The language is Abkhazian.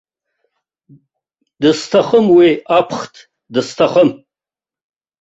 Дысҭахым уи аԥхҭ, дысҭахым!